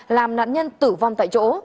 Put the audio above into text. làm nạn nhân tử vong tại chỗ